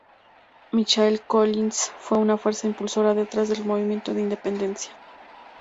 Michael Collins fue una fuerza impulsora detrás del movimiento de independencia.